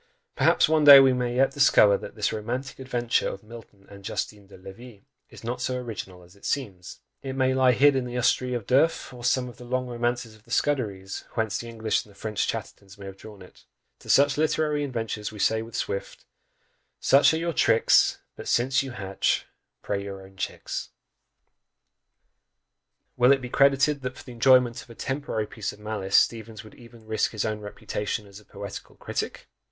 Perhaps one day we may yet discover that this "romantic adventure" of Milton and Justine de Levis is not so original as it seems it may lie hid in the Astrée of D'Urfé, or some of the long romances of the Scuderies, whence the English and the French Chattertons may have drawn it. To such literary inventors we say with Swift: Such are your tricks; But since you hatch, pray own your chicks! Will it be credited that for the enjoyment of a temporary piece of malice, Steevens would even risk his own reputation as a poetical critic?